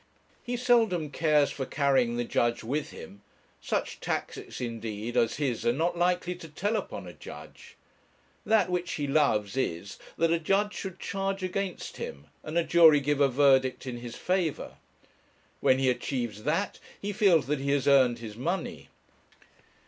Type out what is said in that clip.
He seldom cares for carrying the judge with him: such tactics, indeed, as his are not likely to tell upon a judge. That which he loves is, that a judge should charge against him, and a jury give a verdict in his favour. When he achieves that he feels that he has earned his money.